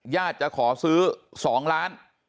ญาติจะขอซื้อ๒ล้าน